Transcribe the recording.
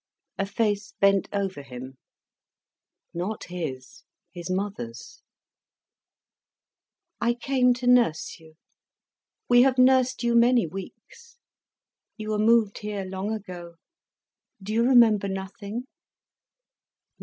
A face bent over him. Not his, his mother's. "I came to nurse you. We have nursed you many weeks. You were moved here long ago. Do you remember nothing?"